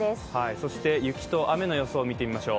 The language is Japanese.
そして雪と雨の予報見てみましょう。